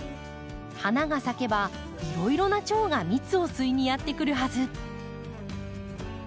花が咲けばいろいろなチョウが蜜を吸いにやって来るはず。